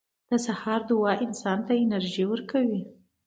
• د سهار دعا انسان ته انرژي ورکوي.